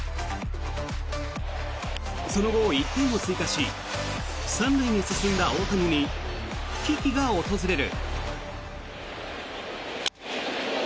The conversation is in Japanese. その後、１点を追加し３塁に進んだ大谷に危機が訪れる。